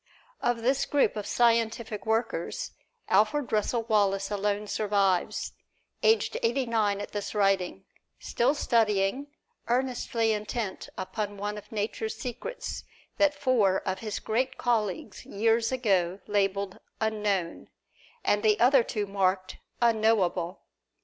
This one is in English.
Of this group of scientific workers, Alfred Russel Wallace alone survives, aged eighty nine at this writing, still studying, earnestly intent upon one of Nature's secrets that four of his great colleagues years ago labeled "Unknown," and the other two marked "Unknowable."